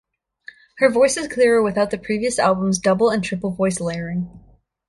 Her voice is clearer, without the previous album's double and triple voice layering.